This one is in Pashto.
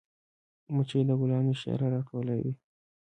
مچۍ د ګلانو شیره راټولوي